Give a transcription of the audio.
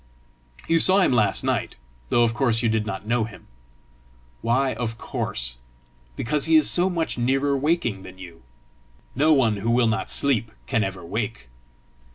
You saw him last night, though of course you did not know him." "Why OF COURSE?" "Because he is so much nearer waking than you. No one who will not sleep can ever wake."